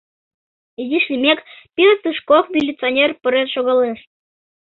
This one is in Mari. Изиш лиймек, пӧртыш кок милиционер пурен шогалеш.